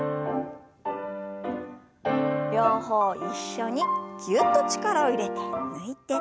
両方一緒にぎゅっと力を入れて抜いて。